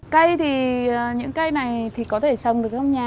cây thì những cây này thì có thể trồng được trong nhà